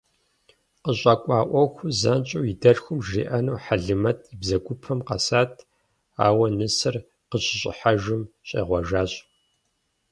КъыщӀэкӀуа Ӏуэхур занщӀэу и дэлъхум жриӀэну Хьэлимэт и бзэгупэм къэсат, ауэ, нысэр къыщыщӀыхьэжым, щӀегъуэжащ.